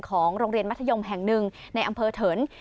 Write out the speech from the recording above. ของโรงเรียนมัธยมแห่งหนึ่งในอำเภอเถิน